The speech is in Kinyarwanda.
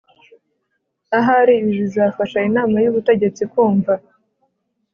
Ahari ibi bizafasha inama y ubutegetsi kumva